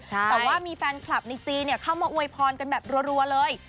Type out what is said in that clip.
แต่ว่ามีแฟนคลับในจีนเข้ามาอวยพรกันแบบรัวเลย